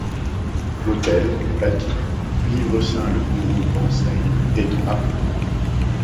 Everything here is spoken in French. L'autel, le palki, du Livre saint le Guru Granth Sahib est en marbre blanc.